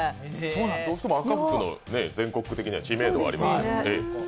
どうしても赤福の全国的には知名度ありますんで。